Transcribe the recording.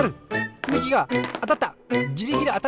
つみきがあたった！